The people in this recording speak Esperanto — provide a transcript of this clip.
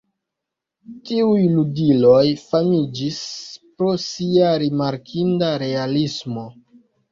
Tiuj ludiloj famiĝis pro sia rimarkinda realismo.